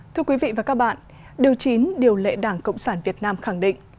thưa quý vị và các bạn điều chín điều lệ đảng cộng sản việt nam khẳng định